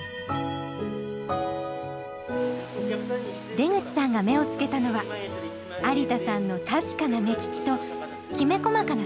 出口さんが目をつけたのは有田さんの確かな目利きときめ細かな対応でした。